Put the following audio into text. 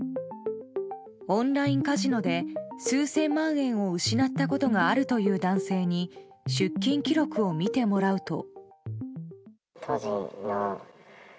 オンラインカジノで数千万円を失ったことがあるという男性に出金記録を見てもらうと。